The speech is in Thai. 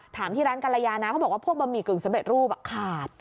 ที่ร้านกรยานะเขาบอกว่าพวกบะหมี่กึ่งสำเร็จรูปขาด